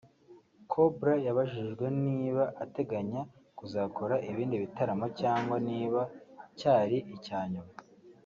Cobra yabajijwe niba ateganya kuzakora ibindi bitaramo cyangwa niba cyari icya nyuma